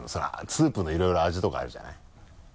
スープのいろいろ味とかあるじゃない。